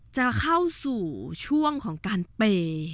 จะเข้าสู่ช่วงของการเปย์